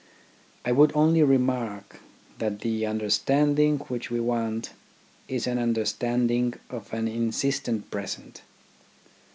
I would only remark that the understanding which we want is an understanding of an insistent present.